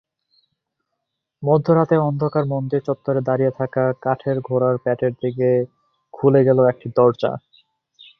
মধ্যরাতে অন্ধকার মন্দির চত্বরে দাঁড়িয়ে থাকা কাঠের ঘোড়ার পেটের দিকে খুলে গেল একটি দরজা।